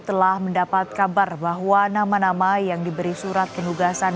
telah mendapat kabar bahwa nama nama yang diberi surat penugasan